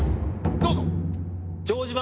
どうぞ。